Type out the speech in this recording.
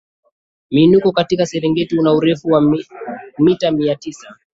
mwinuko katika serengeti una urefu wa mita mia tisa